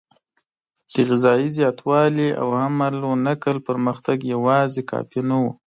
د غذایي زیاتوالي او حمل او نقل پرمختګ یواځې کافي نه و.